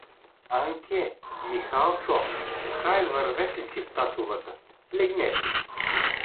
Анке, Михалчо, хай вървете си, татовата, легнете.